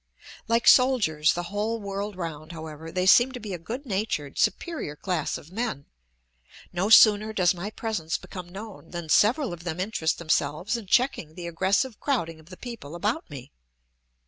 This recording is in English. Like soldiers the whole world round, however, they seem to be a good natured, superior class of men; no sooner does my presence become known than several of them interest themselves in checking the aggressive crowding of the people about me.